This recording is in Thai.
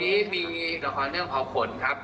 วันนี้มีละครเรื่องเอาขนครับ